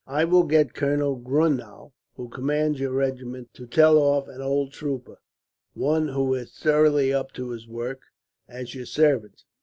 "I will get Colonel Grunow, who commands your regiment, to tell off an old trooper, one who is thoroughly up to his work, as your servant.